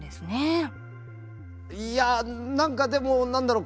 いやあ何かでも何だろう